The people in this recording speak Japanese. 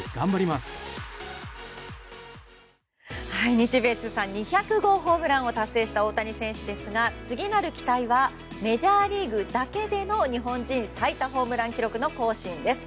日米通算２００号ホームランを達成した大谷選手ですが次なる期待はメジャーリーグだけでの日本人最多ホームラン記録の更新です。